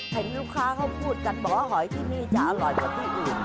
เห็นลูกค้าเขาพูดกันบอกว่าหอยที่นี่จะอร่อยกว่าที่อื่น